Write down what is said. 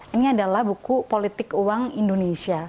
ini adalah buku politik uang indonesia